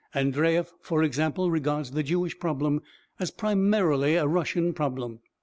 Andreyev, for example, regards the Jewish problem as primarily a Russian problem.